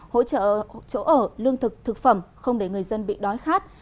hỗ trợ chỗ ở lương thực thực phẩm không để người dân bị đói khát